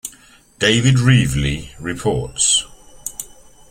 David Reevely reports.